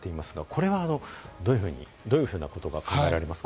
これはどういうふうなことが考えられますか？